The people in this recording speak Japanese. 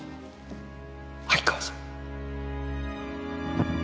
秋川さん。